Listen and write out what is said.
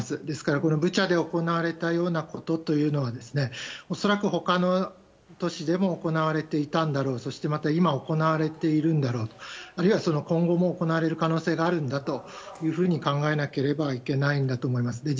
ですから、ブチャで行われたようなことというのは恐らく他の都市でも行われていたんだろうそして、また今行われているんだろうあるいは、今後も行われる可能性があるんだろうと考えなければいけないんだと思います。